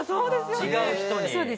違う人に。